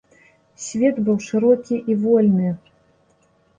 Свет быў шырокі і вольны.